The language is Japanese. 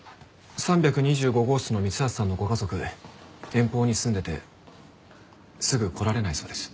３２５号室の三橋さんのご家族遠方に住んでてすぐ来られないそうです。